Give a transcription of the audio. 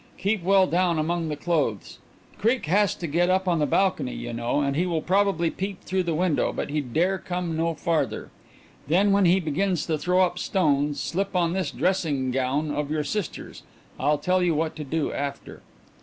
"Keep well down among the clothes. Creake has to get up on the balcony, you know, and he will probably peep through the window, but he dare come no farther. Then when he begins to throw up stones slip on this dressing gown of your sister's. I'll tell you what to do after."